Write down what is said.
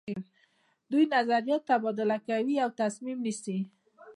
دوی نظریات تبادله کوي او تصمیم نیسي.